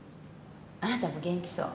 あなたも元気そう。